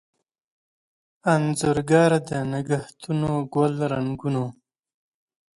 انځورګر دنګهتونوګل رنګونو